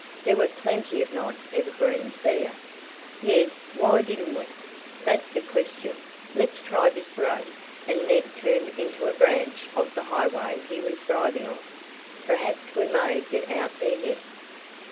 "There were plenty of nice evergreens there." "Yes, why didn't we? That's the question. Let's try this road," and Ned turned into a branch of the highway he was driving on. "Perhaps we may get out there yet."